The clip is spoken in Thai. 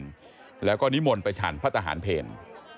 มาร่วมงานแล้วก็นิมนต์ไปฉันพระทหารเพลม